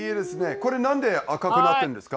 これ、なんで赤くなってるんですか？